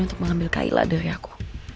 untuk mengambil kayla dari aku